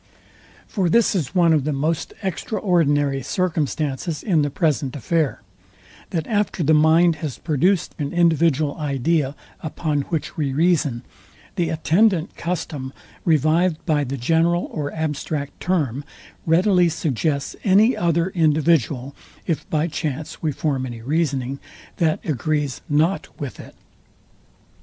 For this is one of the most extraordinary circumstances in the present affair, that after the mind has produced an individual idea, upon which we reason, the attendant custom, revived by the general or abstract term, readily suggests any other individual, if by chance we form any reasoning, that agrees not with it.